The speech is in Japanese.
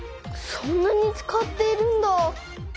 そんなに使っているんだ。